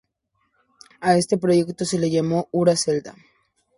A este proyecto se le llamó Ura Zelda.